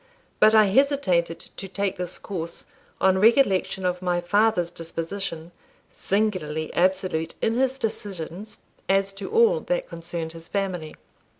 But I hesitated to take this course on recollection of my father's disposition, singularly absolute in his decisions as to all that concerned his family.